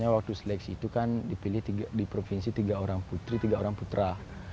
waktu seleksi itu kan dipilih di provinsi tiga orang putri tiga orang putra